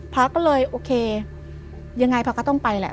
พระก็เลยโอเคยังไงพระก็ต้องไปแหละ